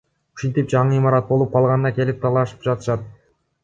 Ушинтип жаңы имарат болуп калганда келип талашып жатышат.